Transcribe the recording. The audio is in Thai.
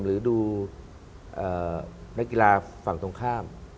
หรือดูนักกีฬาฝั่งตรงข้าม